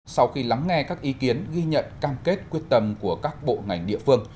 sau khi lắng nghe các ý kiến ghi nhận cam kết quyết tâm của các bộ ngành địa phương